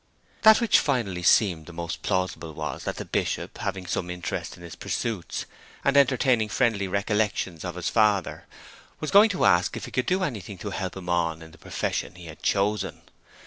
That which finally seemed the most plausible was that the Bishop, having become interested in his pursuits, and entertaining friendly recollections of his father, was going to ask if he could do anything to help him on in the profession he had chosen.